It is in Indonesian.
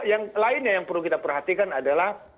yang lainnya yang perlu kita perhatikan adalah